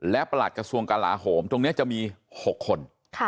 และประหลัดกระทรวงกลาโหมตรงนี้จะมี๖คน